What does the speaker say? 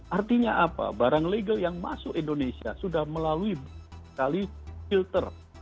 artinya apa barang legal yang masuk indonesia sudah melalui sekali filter